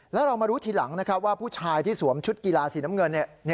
แล้วเรามารู้ทีหลังนะครับว่าผู้ชายที่สวมชุดกีฬาสีน้ำเงิน